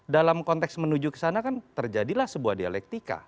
dalam konteks menuju kesana kan terjadilah sebuah dialektika